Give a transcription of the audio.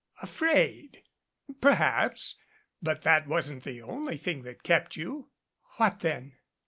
"Afraid! Perhaps. But that wasn't the only thing that kept you " "What then?"